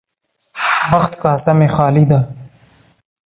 بخت کاسه مې خالي ده.